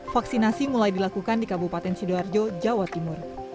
vaksinasi mulai dilakukan di kabupaten sidoarjo jawa timur